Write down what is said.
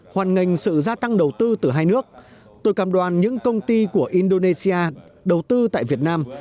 hoàn ngành sự gia tăng đầu tư từ hai nước tôi cảm đoàn những công ty của indonesia đầu tư tại việt nam